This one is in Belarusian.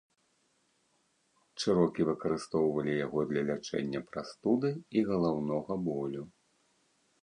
Чэрокі выкарыстоўвалі яго для лячэння прастуды і галаўнога болю.